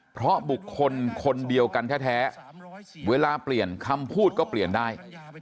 เพราะบุคคลคนเดียวกันแท้เวลาเปลี่ยนคำพูดก็เปลี่ยนได้